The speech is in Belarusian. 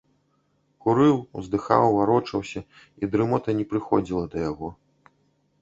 Курыў, уздыхаў, варочаўся, і дрымота не прыходзіла да яго.